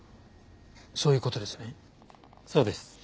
そうです。